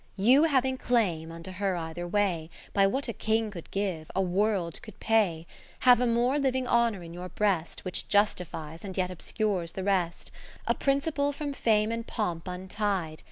You having claim unto her either way. By what a King could give, a world could pay, Have a more Uving honour in your breast, Which justifies, and yet obscures the rest ; 80 A principle from fame and pomp untied.